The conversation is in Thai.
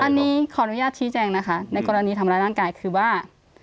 อันนี้ขออนุญาตชี้แจงนะคะในกรณีทำร้ายร่างกายคือว่า